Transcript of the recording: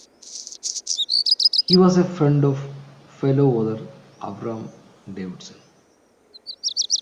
He was a friend of fellow author Avram Davidson.